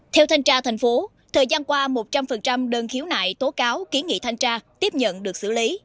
theo thanh tra thành phố thời gian qua một trăm linh đơn khiếu nại tố cáo ký nghị thanh tra tiếp nhận được xử lý